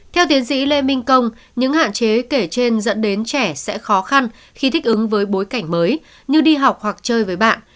theo tiến sĩ lê minh công những hạn chế kể trên dẫn đến trẻ sẽ khó khăn khi thích ứng với bối cảnh mới như đi học hoặc chơi với bạn